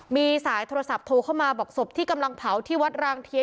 มีสายโทรศัพท์โทรเข้ามาบอกศพที่กำลังเผาที่วัดรางเทียน